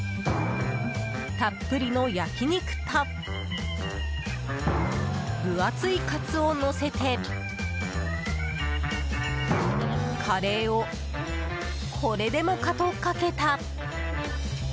たっぷりの焼き肉と分厚いカツをのせてカレーをこれでもかとかけた。